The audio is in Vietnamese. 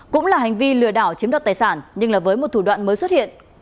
cũng là hành vi lừa đảo chiếm đoạt tài sản nhưng là với một thủ đoạn mới xuất hiện